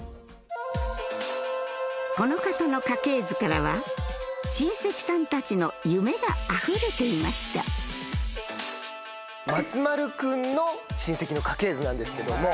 この方の家系図からは親戚さんたちの夢があふれていました松丸君の親戚の家系図なんですけども。